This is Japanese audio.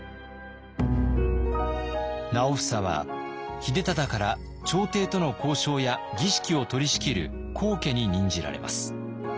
直房は秀忠から朝廷との交渉や儀式を取りしきる高家に任じられます。